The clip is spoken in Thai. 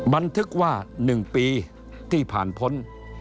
บันทึกว่า๑ปีที่ผ่านพ้น